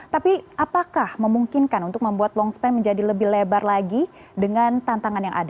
tapi apakah memungkinkan untuk membuat longspan menjadi lebih lebar lagi dengan tantangan yang ada